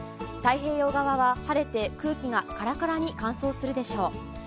太平洋側は晴れて、空気がカラカラに乾燥するでしょう。